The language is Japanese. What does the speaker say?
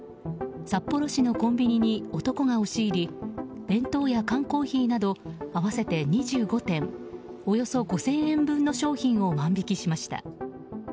札幌市のコンビニに男が押し入り弁当や缶コーヒーなど合わせて２５点およそ５０００円分の商品を万引きしました。